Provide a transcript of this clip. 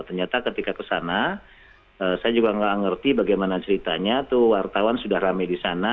ternyata ketika kesana saya juga gak ngerti bagaimana ceritanya tuh wartawan sudah rame disana